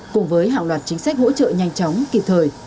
cùng với hàng loạt chính sách hỗ trợ nhanh chóng kịp thời